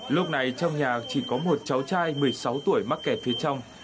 lúc này trong nhà chỉ có một cháu trai một mươi sáu tuổi mắc kẹt phía trong